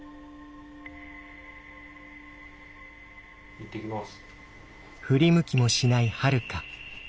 行ってきます。